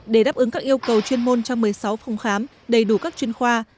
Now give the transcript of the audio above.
để đáp ứng các yêu cầu chuyên môn trong một mươi sáu phòng khám đầy đủ các chuyên khoa